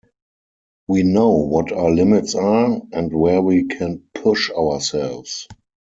We know what are limits are and where we can push ourselves.